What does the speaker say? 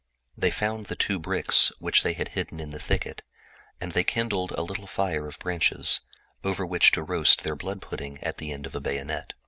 They found the two bricks which they kept hidden in the thicket, and kindled a little fire of twigs, over which to roast the blood pudding at the end of a bayonet.